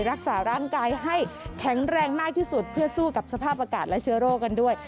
รักษาร่างกายให้แข็งแรงมากที่สุดเพื่อสู้กับสภาพอากาศและเชื้อโรคกันด้วย